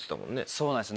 そうなんです。